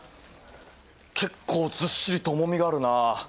結構ずっしりと重みがあるな。